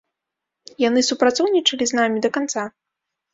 Яны супрацоўнічалі з намі да канца.